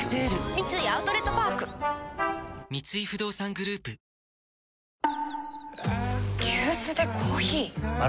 三井アウトレットパーク三井不動産グループやさしいマーン！！